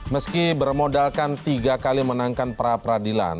meski bermodalkan tiga kali menangkan perapradilan